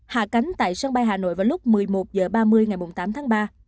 hạ cánh tại sân bay hà nội vào lúc một mươi một h ba mươi ngày tám tháng ba